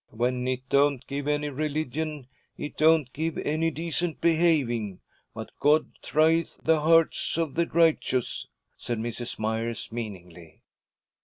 'When it don't give any religion, it don't give any decent behaving. But God trieth the hearts of the righteous,' said Mrs. Myers meaningly.